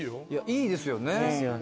いいですよね。